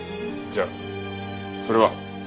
じゃあそれは？